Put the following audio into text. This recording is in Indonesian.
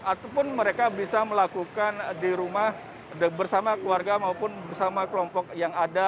ataupun mereka bisa melakukan di rumah bersama keluarga maupun bersama kelompok yang ada